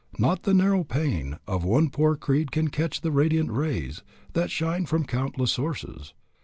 Not the narrow pane Of one poor creed can catch the radiant rays That shine from countless sources.